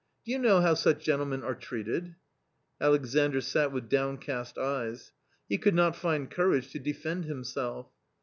Do you know how such gentlemen are treated ?" Alexandr sat with downcast eyes. He could not find courage to defend himself.